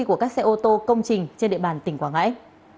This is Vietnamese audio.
của các xe ô tô công trình trên địa bàn tỉnh quảng ngãi